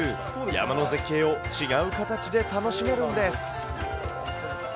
山の絶景を違う形で楽しめるんです。